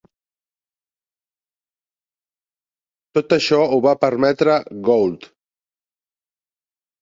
Tot això ho va permetre Gould.